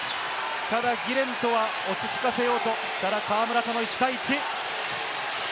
ただギレントは落ち着かせようと、河村との１対１。